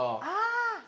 ああ！